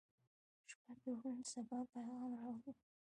• شپه د روڼ سبا پیغام راوړي.